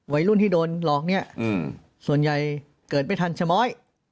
วัยรุ่นที่โดนหลอกเนี่ยส่วนใหญ่เกิดไม่ทันชะม้อย